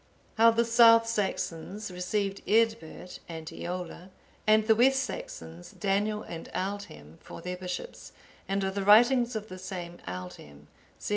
How the South Saxons received Eadbert and Eolla, and the West Saxons, Daniel and Aldhelm, for their bishops; and of the writings of the same Aldhelm.